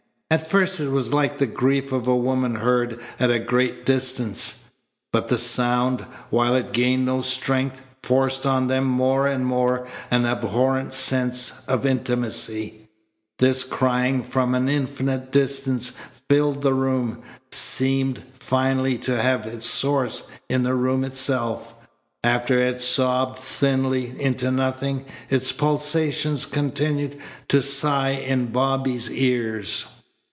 At first it was like the grief of a woman heard at a great distance. But the sound, while it gained no strength, forced on them more and more an abhorrent sense of intimacy. This crying from an infinite distance filled the room, seemed finally to have its source in the room itself. After it had sobbed thinly into nothing, its pulsations continued to sigh in Bobby's ears.